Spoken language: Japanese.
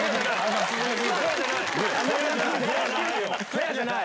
フェアじゃない！